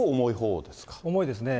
重いですね。